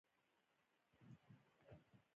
انلاین بانکي خدمات د وخت د ضایع کیدو مخه نیسي.